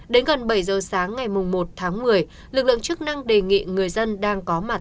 đến gần bảy giờ sáng ngày một tháng một mươi lực lượng chức năng đề nghị người dân đang có mặt